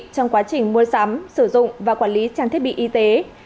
trong quá trình mua sắm sử dụng và quản lý trang thiết bị y tế